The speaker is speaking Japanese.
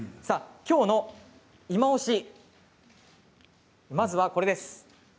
きょうのいまオシまずは、こちらです。